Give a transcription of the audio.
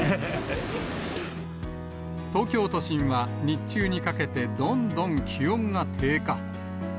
東京都心は日中にかけて、どんどん気温が低下。